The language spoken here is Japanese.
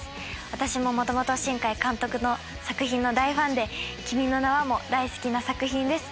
私も元々新海監督の作品の大ファンで『君の名は。』も大好きな作品です。